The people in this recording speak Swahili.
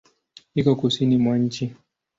Iko Kusini mwa nchi.